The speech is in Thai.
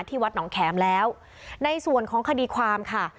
วัดหนองแขมแล้วในส่วนของคดีความค่ะ